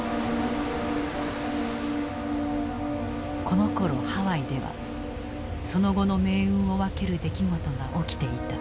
このころハワイではその後の命運を分ける出来事が起きていた。